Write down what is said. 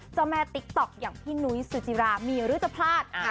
เจ้าแม่ติ๊กต๊อกอย่างพี่นุ้ยสุจิรามีหรือจะพลาด